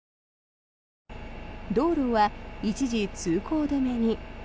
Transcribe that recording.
道路は一時、通行止めに。